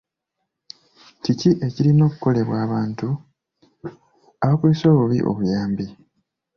Kiki ekirina okukolebwa abantu abakozesa obubi obuyambi?